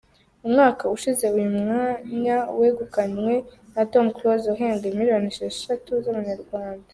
Umwaka ushize uyu mwanya wegukanywe na Tom Close wahembwe miliyoni esheshatu z’amanyarwanda.